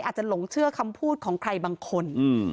อาจจะหลงเชื่อคำพูดของใครบางคน